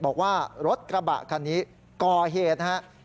บอกว่ารถกระบะคันนี้ก่อเหตุนะครับ